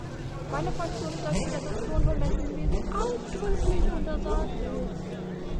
Meine Fraktion ist dafür, dass das Klonen von menschlichen Wesen ausdrücklich untersagt wird.